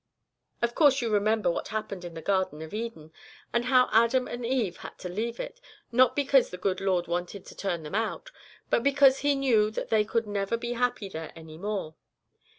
Of course you remember what happened in the Garden of Eden, and how Adam and Eve had to leave it, not because the good Lord God wanted to turn them out, but because He knew that they could never be happy there any more.